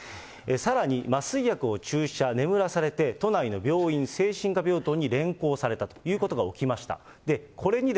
さらに麻酔薬を注射、眠らされて、都内の病院、精神科病棟に連行されたということが起きました。